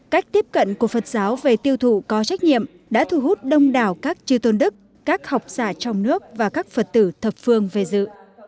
cách tiếp cận của phật giáo về tiêu thụ có trách nhiệm đã thu hút đông đảo các chư tôn đức các học giả trong nước và các phật tử thập phương về dự